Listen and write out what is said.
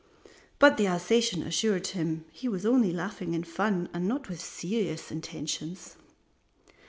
But the Alsatian assured him he was only laughing in fun and not with serious intentions.